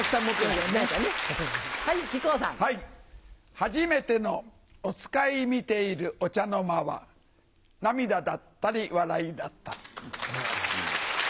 『はじめてのおつかい』見ているお茶の間は涙だったり笑いだったり。